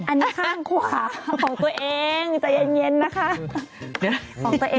อันนี้ข้างขวาของตัวเองใจเย็นนะคะ